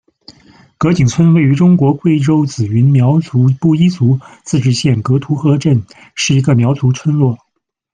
格井村位于中国贵州紫云苗族布依族自治县格凸河镇，是一个苗族村落。